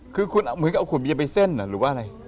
คือคุณเหมือนกับเอาขวดเบียร์ไปเส้นหรือว่าอะไร